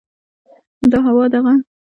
دا هوا، دغه